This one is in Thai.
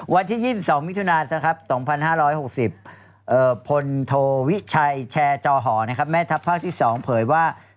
วันที่๒๒มิถุนา๒๕๖๐พลโทวิชัยแชร์จอหอแม่ทัพภาคที่๒เผยว่า